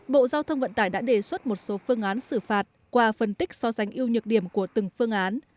bộ giao thông vận tải đã đề xuất một số phương án xử phạt qua phân tích so sánh yêu nhược điểm của từng phương án